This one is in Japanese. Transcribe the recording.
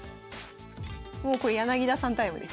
もうこれ柳田さんタイムです。